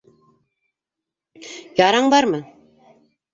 Яраң бармы?